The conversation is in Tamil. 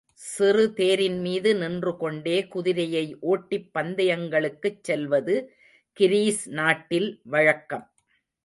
சிறு தேரின்மீது நின்றுகொண்டே குதிரையை ஓட்டிப் பந்தயங்களுக்குச் செல்வது கிரீஸ் நாட்டில் வழக்கம்.